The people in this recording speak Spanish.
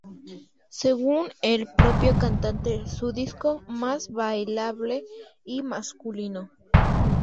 Según el propio cantante, su disco más bailable y masculino.